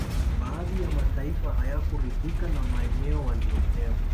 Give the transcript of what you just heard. Baadhi ya mataifa hayakuridhika na maeneo waliyopewa